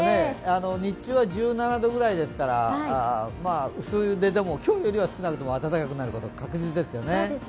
日中は１７度ぐらいですから薄手でも今日よりは少なくとも暖かくなることは確実ですよね。